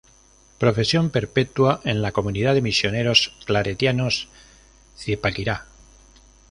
Profesión Perpetua en la Comunidad de Misioneros Claretianos, Zipaquirá.